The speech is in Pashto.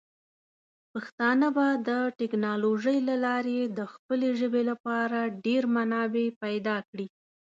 پښتانه به د ټیکنالوجۍ له لارې د خپلې ژبې لپاره ډیر منابع پیدا کړي.